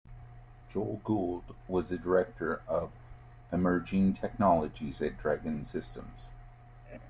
Joel Gould was the director of emerging technologies at Dragon Systems.